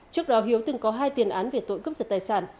trước đó hiếu từng có hai tiền án về tội cướp giật tài sản